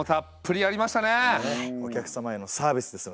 お客様へのサービスです。